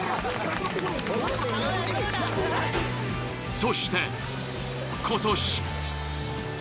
そして今年。